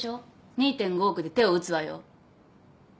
２．５億で手を打つわよ。